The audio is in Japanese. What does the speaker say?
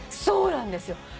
そうなんですよ。